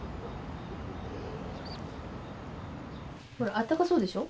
あったかそうでしょう？